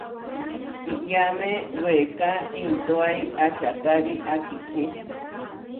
Kiʼyáme weeká intóai ačakári akiči.